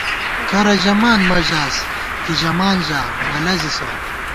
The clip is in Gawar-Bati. کرہ ژَمان مہ ژاس ، کی ژَمان ژا ، نہ لَزِسہ